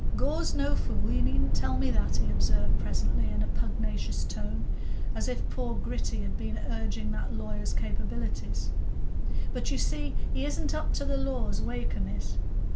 "Gore's no fool; you needn't tell me that," he observed presently, in a pugnacious tone, as if poor Gritty had been urging that lawyer's capabilities; "but, you see, he isn't up to the law as Wakem is.